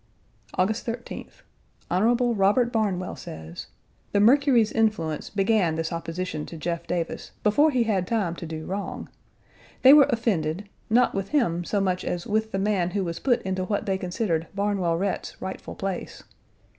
August 13th. Hon. Robert Barnwell says, "The Mercury's influence began this opposition to Jeff Davis before he had time to do wrong. They were offended, not with him so much as with the man who was put into what they considered Barnwell Rhett's rightful place.